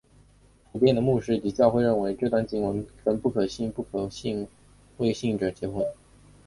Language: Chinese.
普遍的牧师及教会认为这段经文指不可跟不信或未信者结婚。